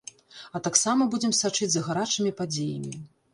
А таксама будзем сачыць за гарачымі падзеямі.